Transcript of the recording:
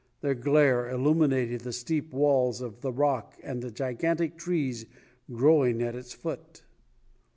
Their glare illuminated the steep walls of the rock and the gigantic trees growing at its foot.